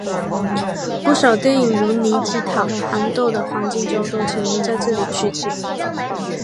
不少电影如尼基塔和憨豆的黄金周都曾经在这里取景。